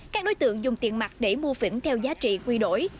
các đối tượng dùng tiền mặt để mua phỉnh theo giá trị quy đổi